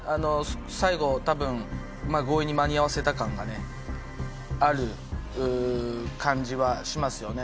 最後多分強引に間に合わせた感がねある感じはしますよね